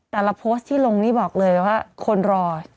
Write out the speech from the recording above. โพสต์ที่ลงนี่บอกเลยว่าคนรอ